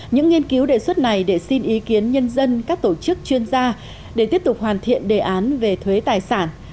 những nghiên cứu đề xuất này để xin ý kiến nhân dân các tổ chức chuyên gia để tiếp tục hoàn thiện đề án về thuế tài sản